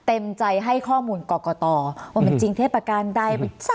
เต็มใจให้ข้อมูลกรกตว่ามันจริงเทศประการใด